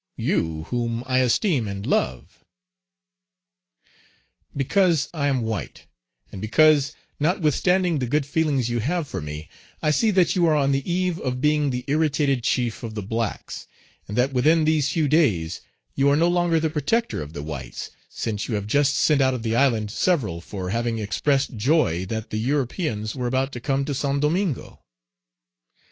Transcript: You, whom I esteem and love?" "Because I am white, and because, notwithstanding the good feelings you have for me, I see that you are on the eve of being the irritated chief of the blacks, and that within these few days you are no longer the protector of the whites, since you have just sent out of the island several for having expressed joy that the Europeans were about to come to Saint Domingo."